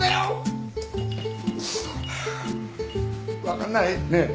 分かんない？ねえ。